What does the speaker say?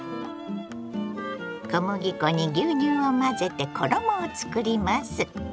小麦粉に牛乳を混ぜて衣を作ります。